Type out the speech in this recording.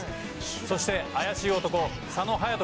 そして怪しい男佐野勇斗